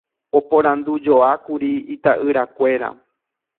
oporandujoákuri ita'yrakuéra